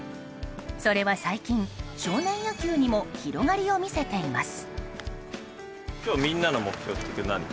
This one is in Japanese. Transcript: それは最近、少年野球にも広がりを見せています。